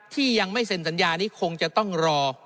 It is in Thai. ที่ยังไม่เซ็นสัญญานี้คงจะต้องรอ